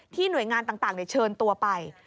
หน่วยงานต่างเชิญตัวไป